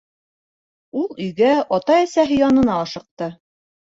Ул өйгә, ата-әсәһе янына, ашыҡты.